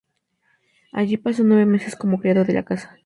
Allí pasó nueve meses como criado de la casa.